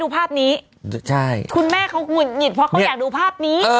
ภาพนี้ใช่คุณแม่เขาหุดหงิดเพราะเขาอยากดูภาพนี้